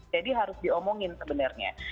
jadi harus diomongin sebenarnya